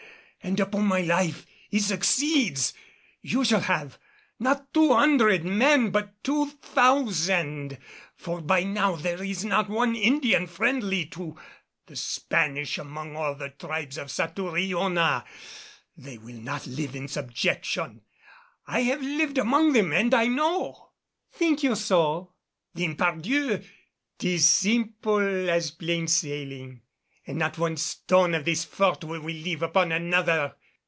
And upon my life, it succeeds! You shall have not two hundred men, but two thousand for by now there is not one Indian friendly to the Spanish among all the tribes of Satouriona. They will not live in subjection. I have lived among them and I know." "Think you so? Then pardieu, 'tis simple as plain sailing, and not one stone of this fort will we leave upon another.